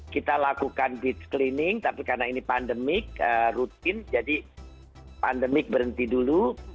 kita lakukan beach cleaning tapi karena ini pandemik rutin jadi pandemik berhenti dulu